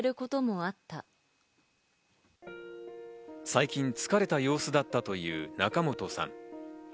最近、疲れた様子だったという仲本さん。